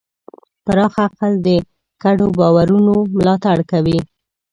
پراخ عقل د ګډو باورونو ملاتړ کوي.